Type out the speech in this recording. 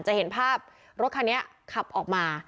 จะเห็นภาพรถคันนี้ขับออกมา